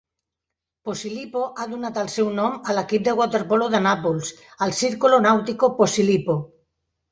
Posillipo ha donat el seu nom a l"equip de waterpolo de Nàpols, el Circolo Nautico Posillipo.